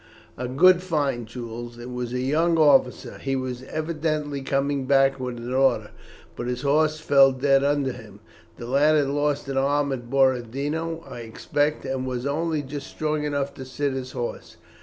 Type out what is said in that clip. "A good find, Jules. It was a young officer. He was evidently coming back with an order, but his horse fell dead under him. The lad had lost an arm, at Borodino I expect, and was only just strong enough to sit his horse.